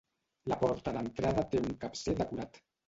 La porta d'entrada té un capcer decorat.